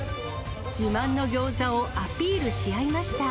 自慢のギョーザをアピールし合いました。